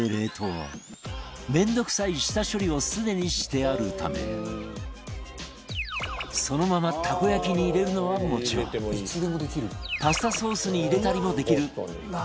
面倒くさい下処理をすでにしてあるためそのままたこ焼きに入れるのはもちろんパスタソースに入れたりもできる便利な商品